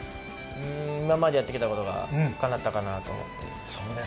今までやってきたことがかなったかなと。